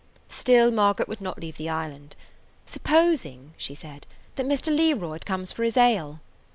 Still Margaret would not leave the island. "Supposing," she said, "that Mr. Learoyd comes for his ale."